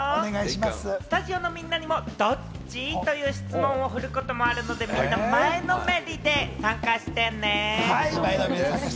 スタジオのみんなにもどっち？という質問を振ることもあるので、みんな、前のめりで参加してね！